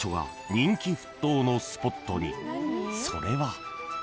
［それは］